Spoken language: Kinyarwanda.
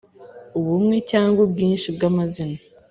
Ubumwe cyangwa ubwinshi by’amazina